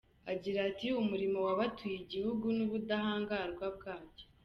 Agira ati "Umurimo w’abatuye igihugu ni ubudahangarwa bwacyo.